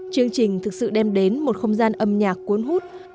chương trình thực sự đem đến một không gian âm nhạc cuốn hút